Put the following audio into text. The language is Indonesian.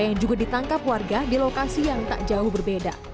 yang juga ditangkap warga di lokasi yang tak jauh berbeda